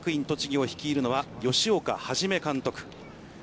栃木を率いるのは吉岡肇監督。